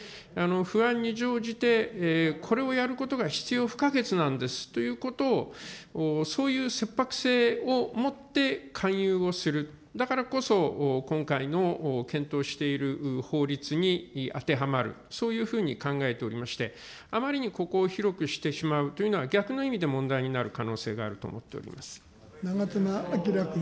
不安に乗じてこれをやることが必要不可欠なんですということを、そういう切迫性をもって、勧誘をする、だからこそ今回の検討している法律に当てはまる、そういうふうに考えておりまして、あまりにここを広くしてしまうというのは、逆の意味で問題になる長妻昭君。